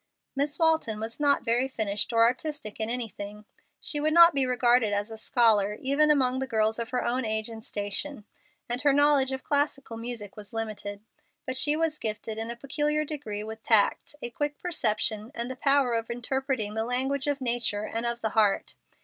Miss Walton was not very finished or artistic in anything. She would not be regarded as a scholar, even among the girls of her own age and station, and her knowledge of classical music was limited. But she was gifted in a peculiar degree with tact, a quick perception, and the power of interpreting the language of nature and of the heart.